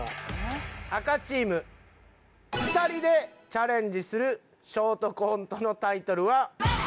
赤チーム２人でチャレンジするショートコントのタイトルは。